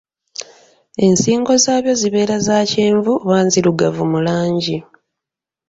Ensingo zaabyo zibeera za kyenvu oba nzirugavu mu langi.